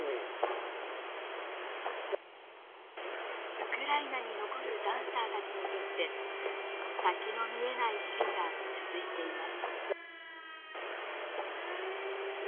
ウクライナに残るダンサーたちにとって先の見えない日々が続いています。